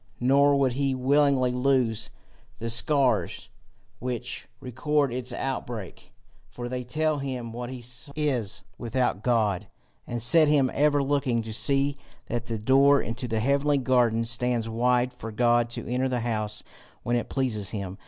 Nor would he willingly lose the scars which record its outbreak, for they tell him what he is without God, and set him ever looking to see that the door into the heavenly garden stands wide for God to enter the house when it pleases him.